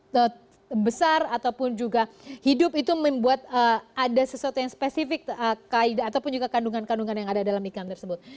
terbesar ataupun juga hidup itu membuat ada sesuatu yang spesifik ataupun juga kandungan kandungan yang ada dalam iklan tersebut